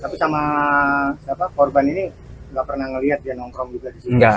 tapi sama siapa korban ini gak pernah ngelihat dia nongkrong juga disitu